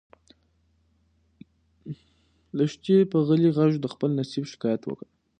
لښتې په غلي غږ د خپل نصیب شکایت وکړ.